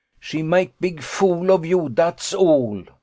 She make big fool of you, dat's all!